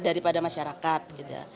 daripada masyarakat gitu ya